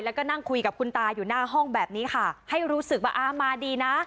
แล้วก็นั่งคุยกับคุณตาอยู่หน้าห้องแบบนี้ค่ะให้รู้สึกว่าอ่ามาดีนะ